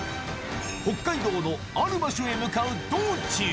北海道のある場所へ向かう道中。